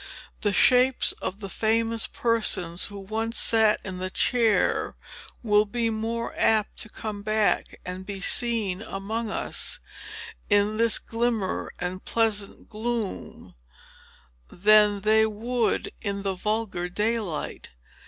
The shapes of the famous persons, who once sat in the chair, will be more apt to come back, and be seen among us, in this glimmer and pleasant gloom, than they would in the vulgar daylight.